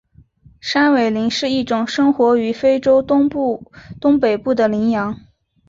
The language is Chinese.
山苇羚是一种生活于非洲东北部的羚羊。